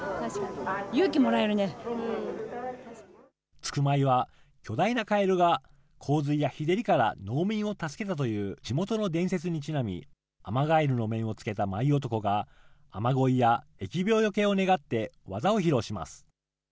撞舞は巨大なカエルが洪水や日照りから農民を助けたという地元の伝説にちなみ、アマガエルの面を付けた舞男が、雨乞いや疫病よけを願って技を披露します。